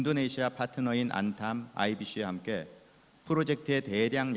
dan juga pertanian pembelian